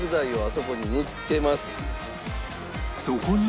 そこに。